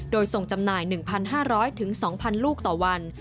โดยส่งจำหน่าย๑๕๐๐๒๐๐ลูกต่อวัน